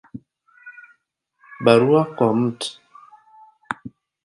Barua kwa Mt.